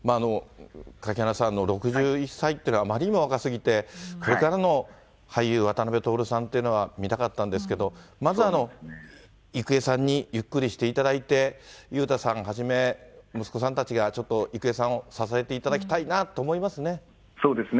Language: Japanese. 垣花さん、６１歳というのはあまりにも若すぎて、これからの俳優、渡辺徹さんっていうのは見たかったんですけど、まず郁恵さんにゆっくりしていただいて、裕太さんはじめ、息子さんたちがちょっと郁恵さんを支えていただきたいなと思いまそうですね。